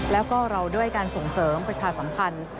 แล้วก็เราด้วยการส่งเสริมประชาสัมพันธ์